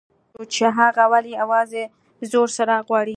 علاوالدین حیران شو چې هغه ولې یوازې زوړ څراغ غواړي.